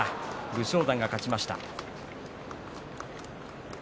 武将山が勝ちました。